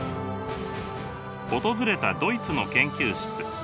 訪れたドイツの研究室。